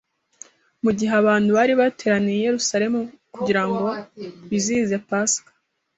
Mu gihe abantu bari bateraniye i Yerusalemu kugira ngo bizihize Pasika